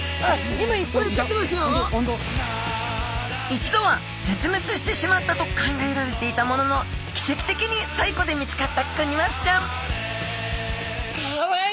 一度は絶滅してしまったと考えられていたものの奇跡的に西湖で見つかったクニマスちゃんかわいい！